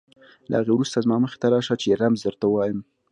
له هغې وروسته زما مخې ته راشه چې رمز درته ووایم.